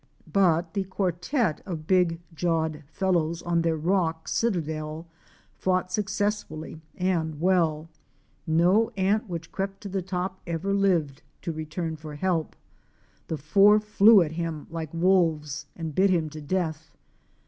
But the quartet of big jawed fellows on their rock citadel fought successfully and well. No ant which crept to the top ever lived to return for help. The four flew at him like wolves and bit him to death.